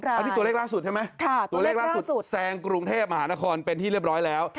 อันนี้ตัวเลขล่าสุดใช่ไหมตัวเลขล่าสุดแซงกรุงเทพมหานครเป็นที่เรียบร้อยแล้ว